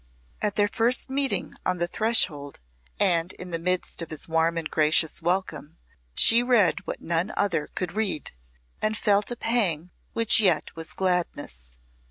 At their first meeting on the threshold and in the midst of his warm and gracious welcome she read what none other could read, and felt a pang which yet was gladness.